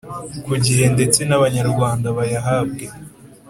ku gihe ndetse n’Abanyarwanda bayahabwe